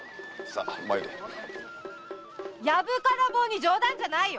やぶからぼうに冗談じゃないよ。